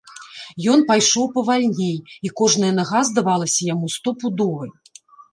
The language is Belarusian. Ён пайшоў павальней, і кожная нага здалася яму стопудовай.